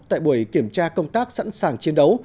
tại buổi kiểm tra công tác sẵn sàng chiến đấu